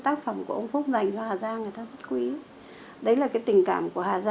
nó thân thương lắm